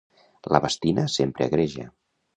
La bastina sempre agreja.